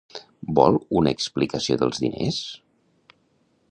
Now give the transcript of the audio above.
Vol una explicació dels diners?